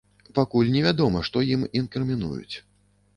Пакуль невядома, што ім інкрымінуюць.